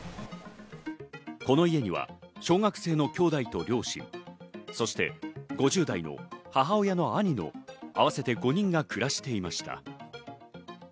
この家には小学生の兄弟と両親、そして５０代の母親の兄の合わせて５人が暮らしていました。